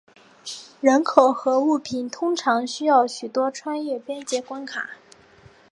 人口和物品通常需要许可穿越边界关卡。